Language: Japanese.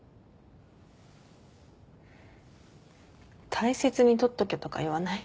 大切にとっとけとか言わない？